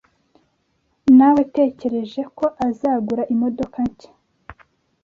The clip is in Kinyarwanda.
Nawetekereje ko azagura imodoka nshya.